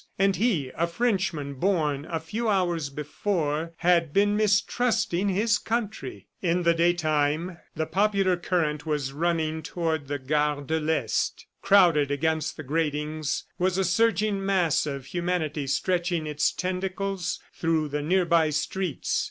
And he, a Frenchman born, a few hours before, had been mistrusting his country! ... In the daytime the popular current was running toward the Gare de l'Est. Crowded against the gratings was a surging mass of humanity stretching its tentacles through the nearby streets.